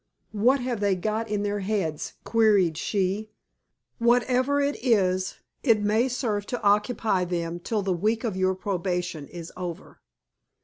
"What have they got in their heads?" queried she. "Whatever it is, it may serve to occupy them till the week of your probation is over."